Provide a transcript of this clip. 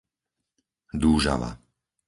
Dúžava